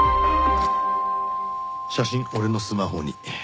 写真俺のスマホに。